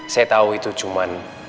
saya tahu itu cuma